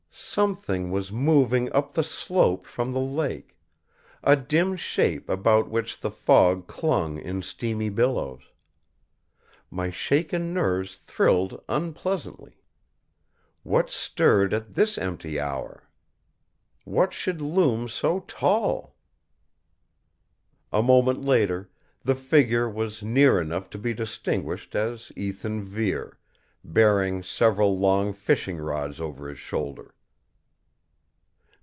Something was moving up the slope from the lake; a dim shape about which the fog clung in steamy billows. My shaken nerves thrilled unpleasantly. What stirred at this empty hour? What should loom so tall? A moment later the figure was near enough to be distinguished as Ethan Vere, bearing several long fishing rods over his shoulder.